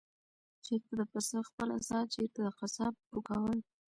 چېرته د پسه خپله ساه، چېرته د قصاب پوکل؟